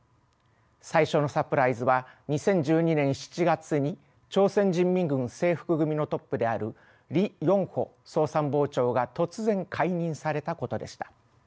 最初のサプライズは２０１２年７月に朝鮮人民軍制服組のトップであるリ・ヨンホ総参謀長が突然解任されたことでした。